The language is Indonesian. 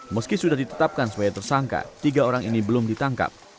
meski sudah ditetapkan sebagai tersangka tiga orang ini belum ditangkap